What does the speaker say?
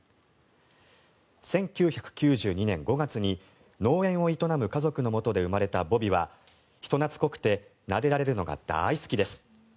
１９９２年５月に農園を営む家族のもとで生まれたボビは人懐こくてなでられるのが大好きです。